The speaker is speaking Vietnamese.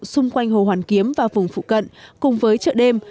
xung quanh hồ hoàn kiếm và vùng phụ cận cùng với chợ đêm